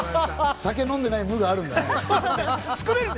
酒飲んでない無があるんですね。